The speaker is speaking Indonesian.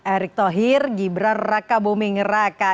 erick thohir gibran raka buming raka